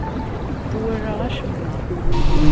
Ur walaɣ acemma.